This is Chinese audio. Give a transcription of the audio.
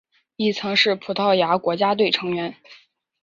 亦曾是葡萄牙国家队成员。